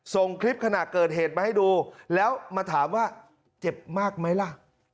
ส่งคลิปขณะเกิดเหตุมาให้ดูแล้วมาถามว่าเจ็บมากไหมล่ะ